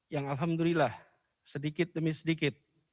yang alhamdulillah sedikit demi sedikit